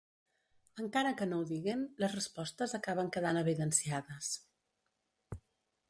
Encara que no ho diguen, les respostes acaben quedant evidenciades.